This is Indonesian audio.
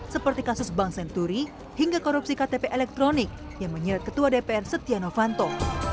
seperti kasus bank senturi hingga korupsi ktp elektronik yang menyeret ketua dpr setia novanto